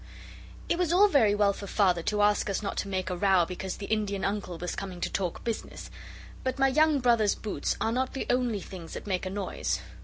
It was all very well for Father to ask us not to make a row because the Indian Uncle was coming to talk business, but my young brother's boots are not the only things that make a noise.